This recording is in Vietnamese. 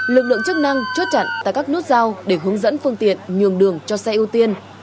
lực lượng chức năng chốt chặn tại các nút giao để hướng dẫn phương tiện nhường đường cho xe ưu tiên